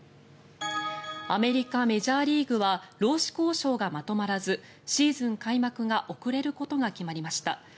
アメリカ・メジャーリーグは労使交渉がまとまらずシーズン開幕が遅れることが決まりました。